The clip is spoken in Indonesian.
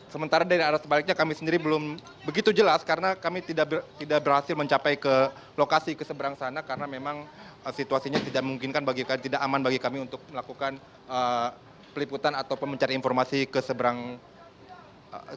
sementara dari arah sebaliknya kami sendiri belum begitu jelas karena kami tidak berhasil mencapai ke lokasi ke seberang sana karena memang situasinya tidak memungkinkan bagi kami tidak aman bagi kami untuk melakukan peliputan atau mencari informasi ke seberang sungai